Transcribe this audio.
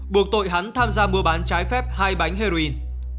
buộc tội hắn tham gia mua bán trái phép hai bánh heroin